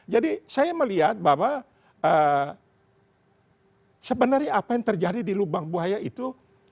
jadi saya melihat bahwa sebenarnya apa yang terjadi di lubang baya itu